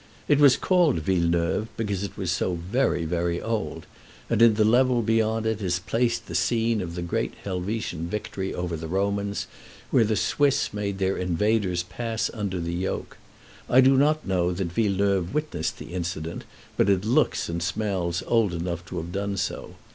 It was called Villeneuve because it was so very, very old; and in the level beyond it is placed the scene of the great Helvetian victory over the Romans, when the Swiss made their invaders pass under the yoke. I do not know that Villeneuve witnessed that incident, but it looks and smells old enough to have done so.